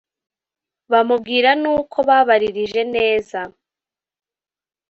bamubwira n'uko babaririje neza